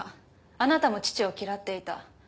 あなたも父を嫌っていた。